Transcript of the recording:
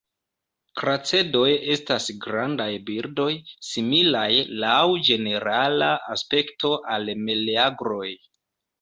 Kracedoj estas grandaj birdoj, similaj laŭ ĝenerala aspekto al meleagroj.